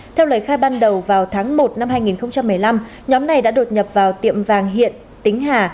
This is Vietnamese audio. theo lời khai ban đầu vào tháng một năm hai nghìn một mươi năm nhóm này đã đột nhập vào tiệm vàng hiện tính hà